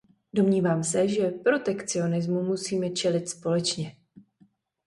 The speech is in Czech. Domnívám se, že protekcionismu musíme čelit společně.